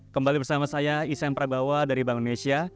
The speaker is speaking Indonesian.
kembali bersama saya isen prabawa dari bank indonesia